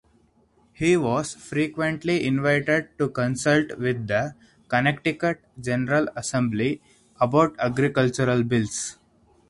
He was frequently invited to consult with the Connecticut General Assembly about agricultural bills.